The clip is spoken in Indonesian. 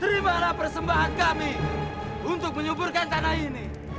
terimalah persembahan kami untuk menyuburkan tanah ini